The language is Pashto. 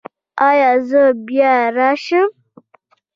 ایا زه بیا راشم؟